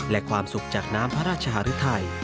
และความสุขจากน้ำพระราชหารุทัย